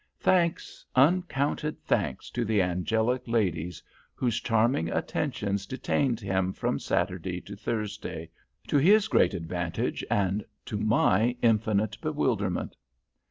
Thanks, uncounted thanks to the angelic ladies whose charming attentions detained him from Saturday to Thursday, to his great advantage and my infinite bewilderment!